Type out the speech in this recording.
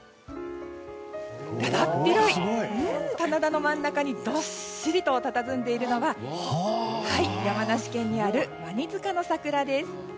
だだっ広い棚田の真ん中にどっしりとたたずんでいるのは山梨県にある、わに塚の桜です。